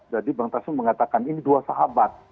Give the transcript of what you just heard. jadi bang tasung mengatakan ini dua sahabat